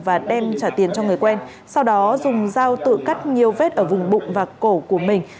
và đem trả tiền cho người quen sau đó dùng dao tự cắt nhiều vết ở vùng bụng và cổ của mình